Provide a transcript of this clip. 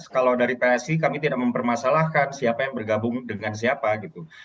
kalau dari psi kami tidak mempermasalahkan siapa yang bergabung dengan siapa gitu